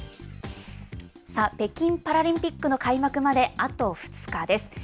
北京パラリンピックの開幕まであと２日です。